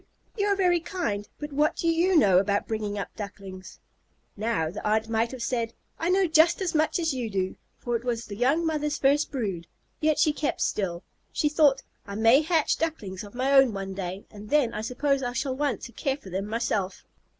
You are very kind, but what do you know about bringing up Ducklings?" Now the aunt might have said, "I know just as much as you do," for it was the young mother's first brood, yet she kept still. She thought, "I may hatch Ducklings of my own some day, and then I suppose I shall want to care for them myself."